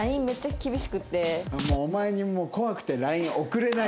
もうお前に怖くてＬＩＮＥ送れないよ。